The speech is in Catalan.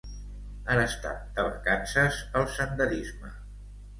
Ara està de vacances el senderisme.